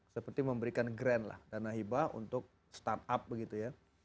seperti memberikan grant lah dana hibah untuk start up begitu ya